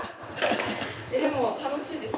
でも楽しいです。